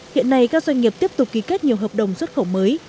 hiện nay các doanh nghiệp tiếp tục ký kết nhiều hợp đồng xuất khẩu mới